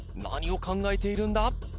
何を考えているんだ？